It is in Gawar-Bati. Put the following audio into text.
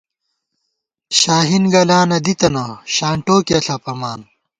شاہین گلانہ دی تنہ، شانٹوکیہ ݪَپَمان